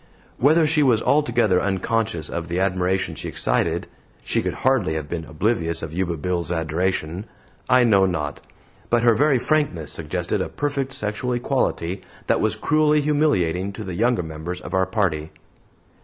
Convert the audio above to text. Whether she was altogether unconscious of the admiration she excited she could hardly have been oblivious of Yuba Bill's adoration I know not; but her very frankness suggested a perfect sexual equality that was cruelly humiliating to the younger members of our party.